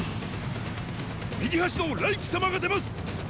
右端の来輝様が出ます！